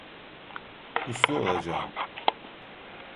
Uslu olacağım.